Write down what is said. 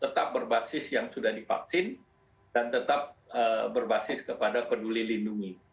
tetap berbasis yang sudah divaksin dan tetap berbasis kepada peduli lindungi